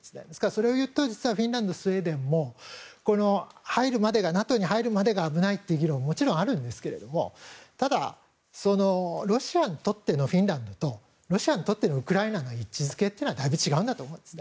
それを言うと、実はフィンランドやスウェーデンもＮＡＴＯに入るまでが危ないという議論ももちろんあるんですけどもただ、ロシアにとってのフィンランドとロシアにとってのウクライナの位置づけというのはだいぶ違うんだと思うんです。